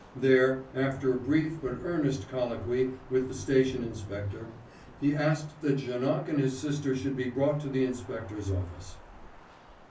There, after a brief but earnest colloquy with the station inspector, he asked that Janoc and his sister should be brought to the inspector's office.